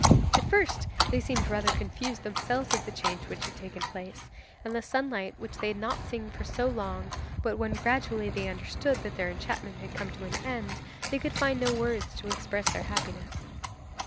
At first they seemed rather confused themselves at the change which had taken place, and the sunlight which they had not seen for so long, but when gradually they understood that their enchantment had come to an end, they could find no words to express their happiness.